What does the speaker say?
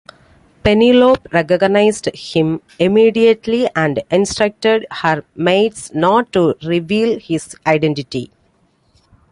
Penelope recognised him immediately and instructed her maids not to reveal his identity.